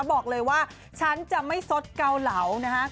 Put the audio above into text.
บอกเลยว่าฉันจะไม่สดเกาเหลานะฮะ